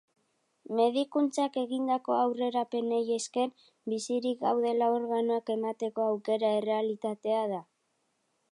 Medikuntzak egindako aurrerapenei esker, bizirik gaudela organoak emateko aukera errealitatea da.